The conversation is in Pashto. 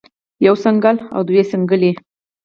يوه څنګل او دوه څنګلې